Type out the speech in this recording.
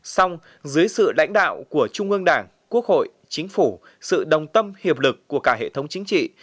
xong dưới sự lãnh đạo của trung ương đảng quốc hội chính phủ sự đồng tâm hiệp lực của cả hệ thống chính trị